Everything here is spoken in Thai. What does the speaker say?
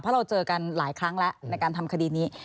เพราะเราเจอกันหลายครั้งแล้วในการทำคดีนี้